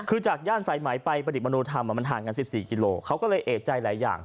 คือจากย่านสายไหมไปประดิษฐมนุธรรมมันห่างกัน๑๔กิโลเขาก็เลยเอกใจหลายอย่าง